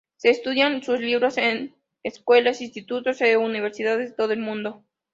Se estudian sus libros en escuelas, institutos y universidades de todo el mundo.